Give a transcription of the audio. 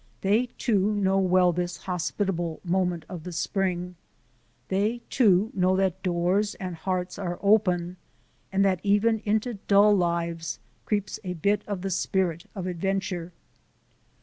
They, too, know well this hospitable moment of the spring; they, too, know that doors and hearts are open and that even into dull lives creeps a bit of the spirit of adventure.